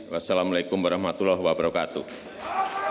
wassalamu'alaikum warahmatullahi wabarakatuh